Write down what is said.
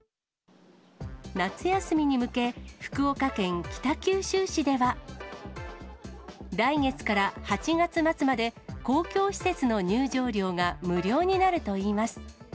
夏休みに向け、福岡県北九州市では、来月から８月末まで、公共施設の入場料が無料になるといいます。